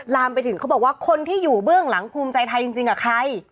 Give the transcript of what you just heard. ลามไปถึงเขาบอกว่าคนที่อยู่เบื้องหลังภูมิใจไทยจริงใคร